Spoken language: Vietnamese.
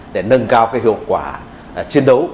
để nâng cao cái hiệu quả chiến đấu